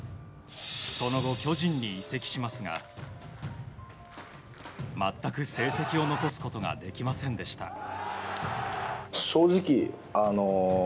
その後、巨人に移籍しますが全く成績を残すことができませんでした。